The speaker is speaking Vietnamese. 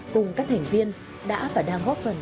cùng các thành viên đã và đang góp phần